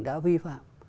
đã vi phạm